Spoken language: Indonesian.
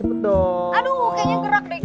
aduh kayaknya gerak deh g